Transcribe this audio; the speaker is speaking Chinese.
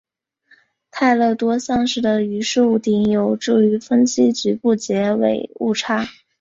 泰勒多项式的余数项有助于分析局部截尾误差。